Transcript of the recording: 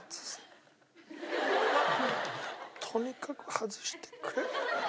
とにかく外してくれ。